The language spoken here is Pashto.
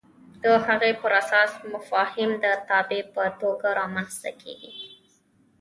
د هغې پر اساس مفاهیم د تابع په توګه رامنځته کېږي.